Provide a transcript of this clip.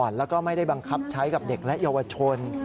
แล้วก็ไม่ได้บังคับใช้กับเด็กและเยาวชน